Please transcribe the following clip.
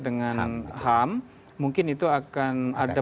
dengan ham mungkin itu akan ada